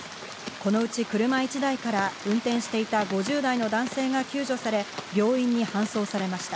このうち車１台から運転していた５０代の男性が救助され、病院に搬送されました。